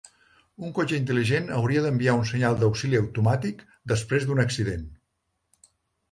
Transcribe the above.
Un cotxe intel·ligent hauria d'enviar un senyal d'auxili automàtic després d'un accident.